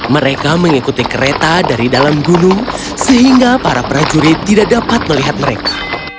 mereka mengikuti kereta dari dalam gunung sehingga para prajurit tidak dapat melihat mereka